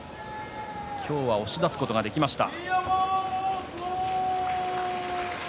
今日は押し出すことができました。